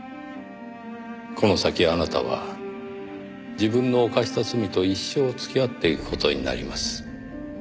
この先あなたは自分の犯した罪と一生付き合っていく事になります。